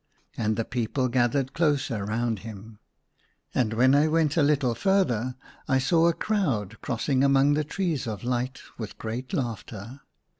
And the people gathered closer round him. And when I went a little further I saw a crowd crossing among the ^trees of light with great laughter.